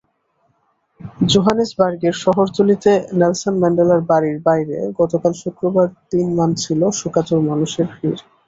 জোহানেসবার্গের শহরতলিতে নেলসন ম্যান্ডেলার বাড়ির বাইরে গতকাল শুক্রবার দিনমান ছিল শোকাতুর মানুষের ভিড়।